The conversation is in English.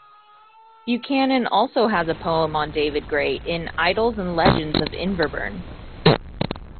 Buchanan also has a poem on David Gray, in "Idyls and Legends of Inverburn".